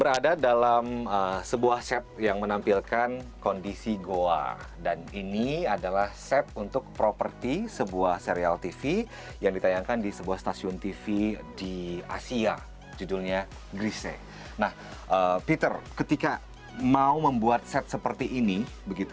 alami natural seperti goa asli